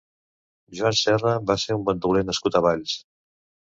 Joan Serra va ser un bandoler nascut a Valls.